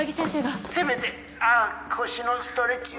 せめてああ腰のストレッチを。